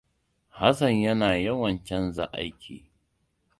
Hassan yana yawan canza aiki.